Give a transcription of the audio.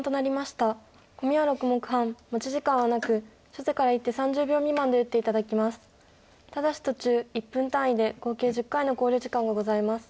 ただし途中１分単位で合計１０回の考慮時間がございます。